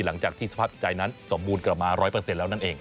หลังจากที่สภาพจิตใจนั้นสมบูรณ์กลับมา๑๐๐แล้วนั่นเอง